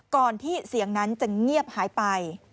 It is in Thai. ก่อนที่เสียงนั้นจะเงียบหายไป